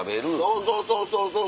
そうそうそうそうそう。